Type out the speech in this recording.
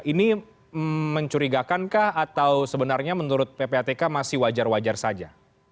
ini mencurigakan kah atau sebenarnya menurut ppatk masih wajar wajar saja